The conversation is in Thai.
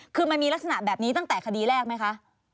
คือมันมีลักษณะแบบนี้ตั้งแต่คดีแรกไหมคะ